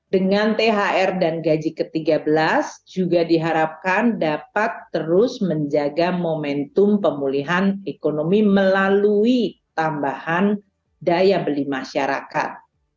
dengan thr dan gaji ke tiga belas juga diharapkan dapat terus menjaga momentum pemulihan ekonomi melalui tambahan daya beli masyarakat